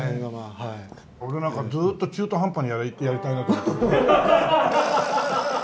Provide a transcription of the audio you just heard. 俺なんかずーっと中途半端にやりたいなと思ってる。